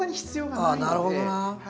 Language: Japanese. ああなるほどな。